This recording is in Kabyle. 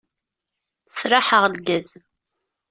Sraḥeɣ lgaz.